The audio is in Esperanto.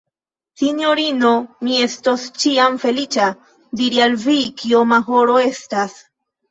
Sinjorino, mi estos ĉiam feliĉa, diri al vi, kioma horo estas.